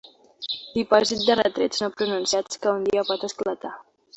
Dipòsit de retrets no pronunciats que un dia pot esclatar.